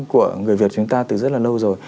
của người việt chúng ta từ rất là lâu rồi